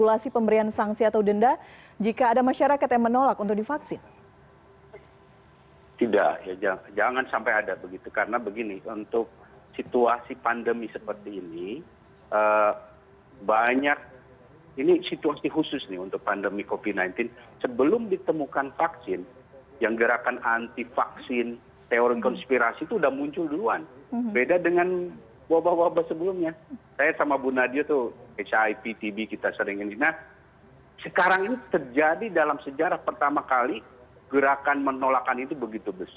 usai jeda kami akan kembali sesaat lagi